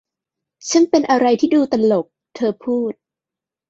ช่างเป็นอะไรที่ดูตลก ! เธอพูด